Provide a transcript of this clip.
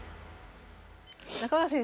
中川先生